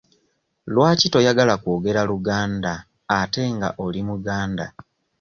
Lwaki toyagala kwogera Luganda ate nga oli muganda?